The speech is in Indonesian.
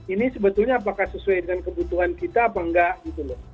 ini sebetulnya apakah sesuai dengan kebutuhan kita apa enggak gitu loh